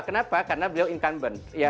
kenapa karena beliau incumbent